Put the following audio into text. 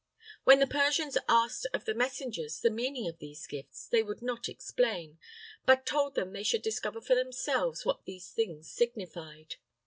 When the Persians asked of the messengers the meaning of these gifts, they would not explain, but told them they should discover for themselves what these things signified.